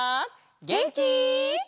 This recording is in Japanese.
げんき？